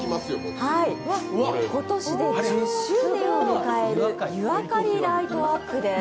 今年で１０周年を迎える湯あかりライトアップです。